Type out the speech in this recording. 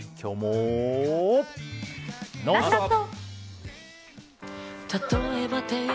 「ノンストップ！」。